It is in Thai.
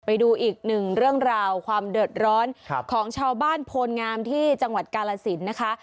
ไปดูอีกหนึ่งเรื่องราวความเดือดร้อนของชาวบ้านโพลงามที่จังหวัดกาลสินนะคะ